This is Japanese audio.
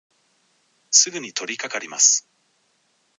すぐにとりかかります。